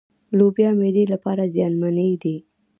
لوبيا معدې لپاره زيانمنې دي.